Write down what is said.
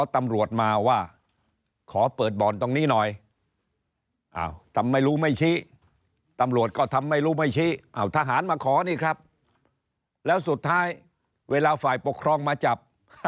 ตำรวจมาว่าขอเปิดบ่อนตรงนี้หน่อยทำไม่รู้ไม่ชี้ตำรวจก็ทำไม่รู้ไม่ชี้เอาทหารมาขอนี่ครับแล้วสุดท้ายเวลาฝ่ายปกครองมาจับ